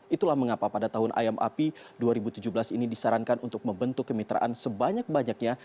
itulah mengapa pada tahun ayam api dua ribu tujuh belas ini disarankan untuk membentuk kemitraan sebanyak banyaknya